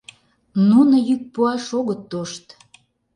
Нуно йӱк пуаш огыт тошт.